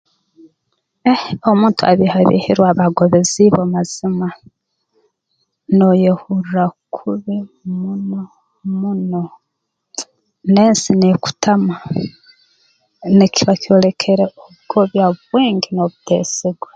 Eh omuntu abiihabiihirwe aba agobeeziibwe mazima nooyehurra kubi muno muno n'ensi neekutama nikiba kyolekere obugobya bwingi n'obuteesigwa